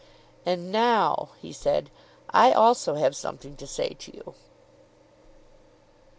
"And now," he said, "I also have something to say to you."